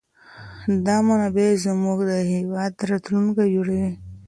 دا منابع زموږ د هېواد راتلونکی جوړوي.